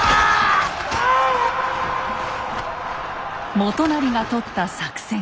元就がとった作戦